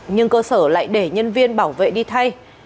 nhưng cơ sở lại để nhân viên bảo vệ đi thay